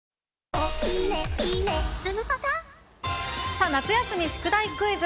さあ、夏休み宿題クイズ。